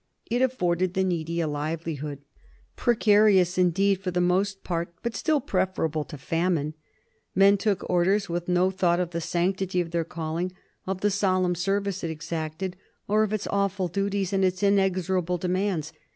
It afforded the needy a livelihood, precarious indeed for the most part, but still preferable to famine. Men took Orders with no thought of the sanctity of their calling, of the solemn service it exacted, of its awful duties and its inexorable demands.